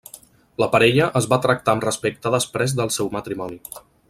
La parella es va tractar amb respecte després del seu matrimoni.